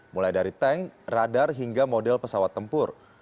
mulai dari tank radar hingga model pesawat tempur